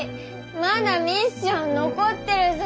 まだミッション残ってるぞ。